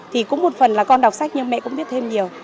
thì cũng một phần là con đọc sách nhưng mẹ cũng biết thêm nhiều